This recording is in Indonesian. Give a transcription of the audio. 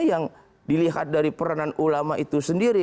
yang dilihat dari peranan ulama itu sendiri